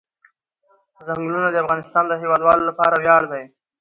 ځنګلونه د افغانستان د هیوادوالو لپاره ویاړ دی.